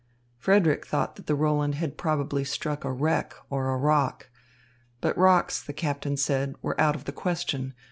Frederick thought the Roland had probably struck a wreck or a rock. But rocks, the captain said, were out of the question.